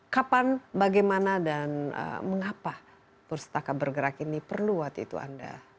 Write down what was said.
kapan bagaimana dan mengapa pustaka bergerak ini perlu waktu itu anda